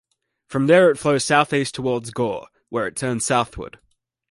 From there it flows southeast towards Gore, where it turns southward.